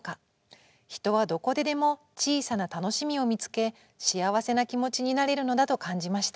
人はどこででも小さな楽しみを見つけ幸せな気持ちになれるのだと感じました」。